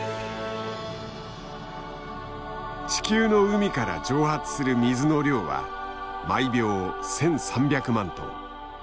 地球の海から蒸発する水の量は毎秒１，３００万トン。